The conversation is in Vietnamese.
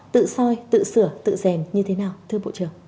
tự soi tự sửa tự rèn như thế nào thưa bộ trưởng